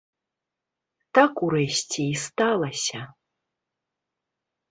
Так урэшце і сталася.